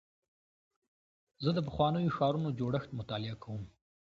زه د پخوانیو ښارونو جوړښت مطالعه کوم.